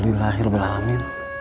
alhamdulillah akhir berlalu